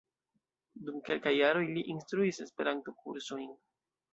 Dum kelkaj jaroj li instruis Esperanto-kursojn.